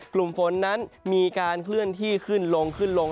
กลุ่มฝนนั้นมีการเคลื่อนที่ขึ้นลงขึ้นลง